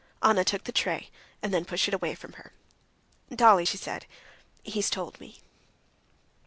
Anna took the tray, and then pushed it away from her. "Dolly," she said, "he has told me."